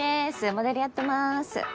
モデルやってます。